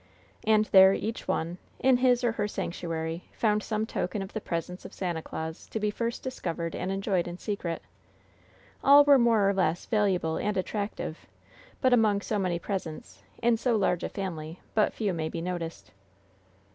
And there each one, in his or her sanctuary, found some token of the presence of Santa Claus to be first discovered and enjoyed in secret. All were more or less valuable and attractive, but among so many presents, in so large a family, but few may be noticed.